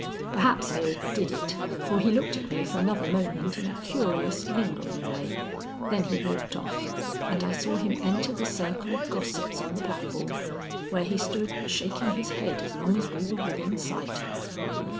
Perhaps I overdid it, for he looked at me for another moment in a curious, lingering way; then he walked off, and I saw him enter the circle of gossips on the platform, where he stood shaking his head as long as we were within sight.